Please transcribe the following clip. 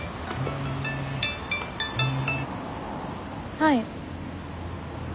はい。